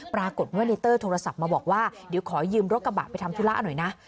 ปรากฏว่าในเตอร์โทรศัพท์มาบอกว่าเดี๋ยวขอยืมรถกระบะไปทำธุระหน่อยนะ